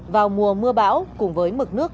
vào mùa mưa bão cùng với mực nước